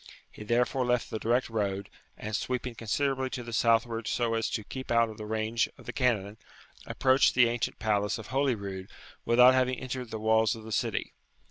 He therefore left the direct road, and, sweeping considerably to the southward so as to keep out of the range of the cannon, approached the ancient palace of Holyrood without having entered the walls of the city.